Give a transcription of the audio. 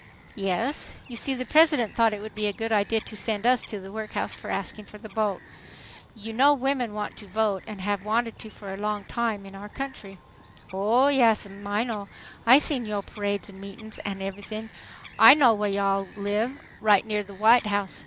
"Yes. You see the President thought it would be a good idea to send us to the workhouse for asking for the vote. You know women want to vote and have wanted to for a long time in our country" "O Yass'm, I know. I seen yo' parades, an' meetin's, an' everythin'. I know whah yo' all live, right near the White House.